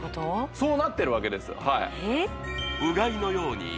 そうなってるわけですはいえっ？